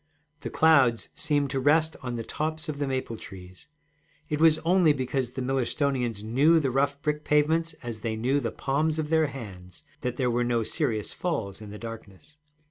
The clouds seemed to rest on the tops of the maple trees; it was only because the Millerstonians knew the rough brick pavements as they knew the palms of their hands that there were no serious falls in the darkness.